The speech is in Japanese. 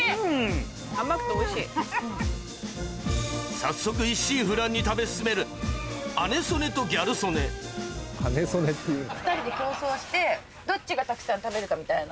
早速一心不乱に食べ進める姉曽根とギャル曽根２人で競争してどっちがたくさん食べるかみたいな。